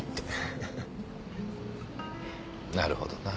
なるほどな。